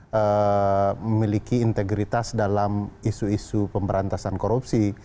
yang memiliki integritas dalam isu isu pemberantasan korupsi